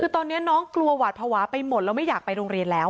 ตอนนี้วัดชายไปหมดแล้วไม่อยากไปโรงเรียนแล้ว